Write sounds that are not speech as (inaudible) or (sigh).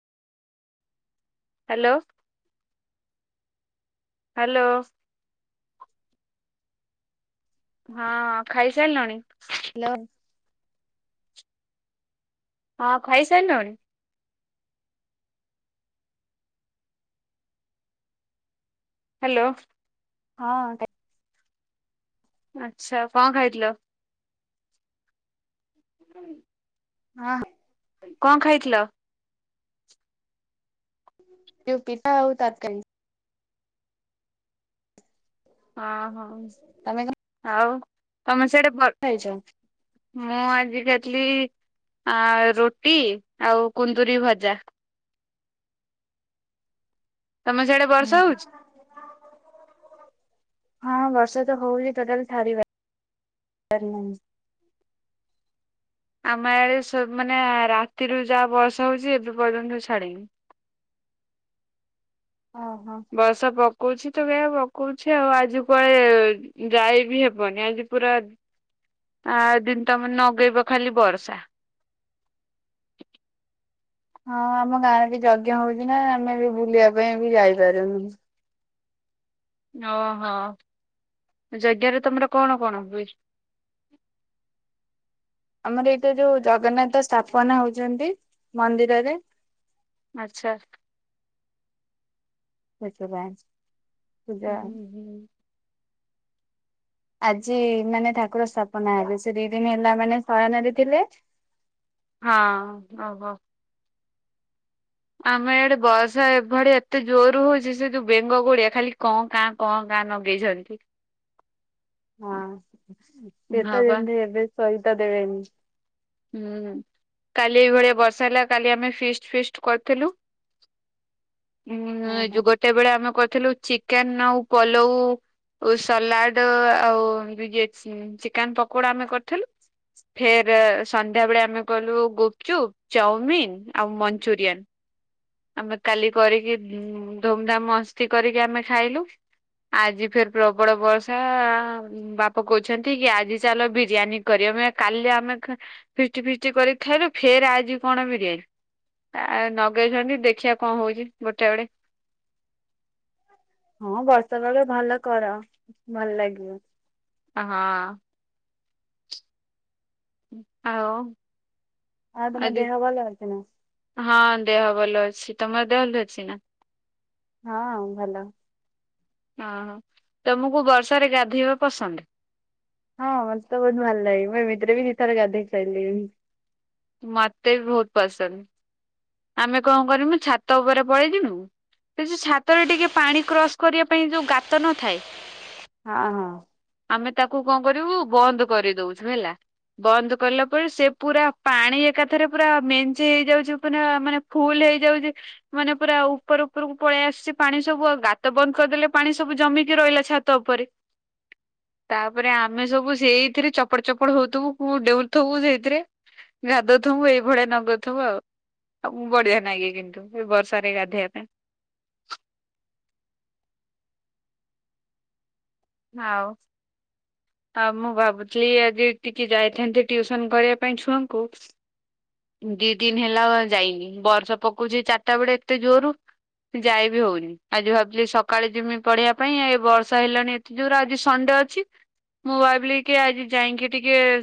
Hello. Hello. ହଁ, ଖାଇସାରିଲାଣି। Hello. ହଁ, ଖାଇସାରିଲଣି। ହ୍ୟାଲୋ। ହଁ। ଆଚ୍ଛା। କଣ ଖାଇଥିଲ? ହୁଁ। ହଁ। କଣ ଖାଇଥିଲ? ପିଠା ଆଉ ତରକାରୀ। ହଁ, ହଉ। ଆଉ ତମେ ସେଇଠି, ଖାଇଚ। ମୁଁ ଆଜି ଖାଇଥିଲି ରୁଟି ଆଉ କୁନ୍ଦୁରି ଭଜା। ତମେ ସିଆଡେ,। ହୁଁ। (inaudible) ହଁ, ବର୍ଷା ତ ହଉଛି। ଟୋଟାଲ ଛାଡିବା ର ନାଇଁ। ଆମ ଆଡ଼େ ମାନେ, ରାତିରୁ ଯାହା ବର୍ଷା ହେଉଚି, ଏବେ ପର୍ଯ୍ୟନ୍ତ ଛାଡ଼ିନି। ଓ ହୋ। ବସ ପକଉଚି ତ ଗ ପକଉଚି ଆଉ, ଆଜି କୁଆଡେ ଯାଇ ବି ହେବନି। ଆଜି ପୁରା, ଆ ଦିନ, ତମେ ନଗେଇବ ଖାଲି ବର୍ଷା। ହଁ, ଆମ ଗାଁରେ ବି ଯଜ୍ଞ ହଉଛି ନା ଆମେ ବି ବୁଲିବା ପାଇଁ ବି ଯାଇପାରୁନୁ। ଓହୋ। ଜଜ୍ଞରେ ତମର କଣ କଣ ହୁଏ? ଆମର ଏଇଟା ଯୋଉ ଜଗନ୍ନାଥ ସ୍ଥାପନା ହଉଛନ୍ତି, ମନ୍ଦିରର ରେ। ଆଚ୍ଛା। ସେଛ ବ ତ ହୁଁ ଯା (inaudible) ହୁଁ (inaudible) ଆଜି ମାନେ ଠାକୁର ସ୍ଥାପନା ହେଲେ। ସେ ଦି ଦିନ ହେଲା ମାନେ, ଶୟନରେ ଥିଲେ। ହଁ। ଓହୋ। ଆମେ ଇଆଡେ ବର୍ଷା ଏଭଳି, ଏତେ ଜୋର ହଉଛି, ସେ ଯୋଉ ବେଙ୍ଗ ଗୁଡିଆ ଖାଲି କଣ କଁ, କାଁ କଁ କାଁ ଲଗେଇଛନ୍ତି। ହଁ। ହଁ ସେତ ବା ଯେମିତି ଏବେ ସହିତ ଦେବେନି। ହୁଁ କାଲି ଏଇଭଳିଆ ବର୍ଷା ହେଲା କାଲି ଆମେ ଫିଷ୍ଟ ଫିଷ୍ଟ କରିଥିଲୁ। (inaudible) ହଁ ଏ ଓହୋ ଯୋଉ ଗୋଟେ ବେଳେ ଆମେ କ ଥିଲୁ ଚିକେନ ଆଉ ପଲଉ ସଲାଡ ଆଉ ଦ ଚିକେନ ପକୋଡା ଆମେ କରିଥିଲୁ ଫେର ସନ୍ଧ୍ୟାବେେଳେ ଆମେ କହଲୁ ଗୁପଚୁପ୍ ଚାଉମିିନ ଆଉ ମଞ୍ଚୁରିଆନ୍। ଆମେ କାଲି କରିକି ଉମ ଧୁମଧାମ ମସ୍ତି କରିକି ଆମେ ଖାଇଲୁ। ଆଜି ଫେର ପ୍ରବଳ ବର୍ଷା ବାପା କହୁଛନ୍ତି କି ଆଜି ଚାଲ ବିରିୟାନୀ କରମ କାଲି ଆମେ ଫିଷ୍ଟି ଫିଷ୍ଟି କରିିକ ଥୁ ଫେର ଆଜି କଣ ବିରି ନଗେଇଛନ୍ତି। ଦେଖିବା କଣ ହଉଛି ଗୋଟେ ବେଳେ। ହଁ ବର୍ଷା ବେଳେ ଭଲ କର ଭଲ ଲାଗିବ। ହଁ। ଆଉ ଆଉ ତମ ଆଜି ଦେହ ଭଲ ଅଛି ନା? ହଁ ଦେହ ଭଲ ଅଛି ତମର ଦେହ ଭଲ ଅଛି ନା? ହଁ ଭଲ। ହଁ ହଁ ତମକୁ ବର୍ଷାରେ ଗାଧୋଇବା ପସନ୍ଦ? ହଁ ମତେ ତ ବହୁତ ଭଲ ଲାଗେ ମୁଁ ଏମିତିରେ ବି ଦି ଥର ଗାଧେଇସାଇଲିଣି। ମତେ ବହୁତ ପସନ୍ଦ। ଆମେ କଣ କରିମୁ ଛାତ ଉପରେ ପଳେଇଦିନୁ ସେ ଯୋଉ ଛାତରେ ଟିକେ ପାଣି କ୍ରସ କରିବା ପାଇଁ ଯୋଉ ଗାତ ନଥାଏ ହଁ ହଁ। ଆମେ ତାକୁ କଣ କରିବୁ ବନ୍ଦ କରିଦଉଛୁ ହେଲା। ବନ୍ଦ କଲା ପରେ ସେ ପୁରା ପାଣି ଏକାଥରେ ପୁରା ମେଞ୍ଚେ ହେଇଯାଉଛି ପୁରା ମାନେ ଫୁଲ ହେଇଯାଉଛି ମାନେ ପୁରା ଉପର ଉପରକୁ ପଳେଇ ଆସିଛି ପାଣି ସବୁ ଗାତ ବନ୍ଦ କରିଦେଲେ ପାଣି ସବୁ ଜମିକି ରହିଲା ଛାତ ଉପରେ। (inaudible) ତାପରେ ଆମେ ସବୁ ସେଇଥିରେ ଚପଟ ଚପଡ଼ ହଉଥିବୁ ଡେଉଁଥିବୁ ସେଇଥିରେ। ଗାଧଉଥିବୁ ଏଇଭଳିଆ ନଗୁଥିବୁ ଆଉ। ଆମକୁ ବଢିଆ ନାଗେ କିନ୍ତୁ ଏ ବର୍ଷାରେ ଗାଧେଇବା ପାଇଁ। ଆଉ। ଆଉ ମୁଁ ଭାବୁଛି ଆଜି ଟିକେ ଯାଇଥାନ୍ତି ଟିଉସନ କରିବା ପାଇଁ ଛୁଆଙ୍କୁ ଦି ଦିନ ହେଲା ଯାଇନି ବର୍ଷା ପକଉଛି ଚାରିଟା ବେଳେ ଏତେ ଜୋରୁ ଯାଇ ବିି ହଉନି ଆଜି ଭାବୁଥିଲି ସକାଳେ ଜିମି ପଢେଇିବା ପାଇଁ ଏ ବର୍ଷ ହେଲାଣି ଯୋଉରା ଆଜି ସଣ୍ଡେ ଅଛି ମୁଁ ଭାବିଲି କି ଆଜି ଯାଇକି ଟିକେ